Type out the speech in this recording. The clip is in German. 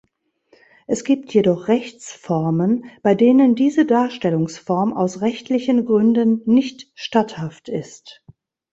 Es gibt jedoch Rechtsformen, bei denen diese Darstellungsform aus rechtlichen Gründen nicht statthaft ist.